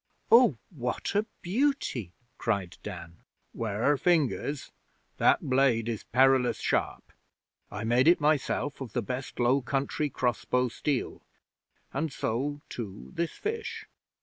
'Oh, what a beauty!' cried Dan. ''Ware fingers! That blade is perilous sharp. I made it myself of the best Low Country cross bow steel. And so, too, this fish.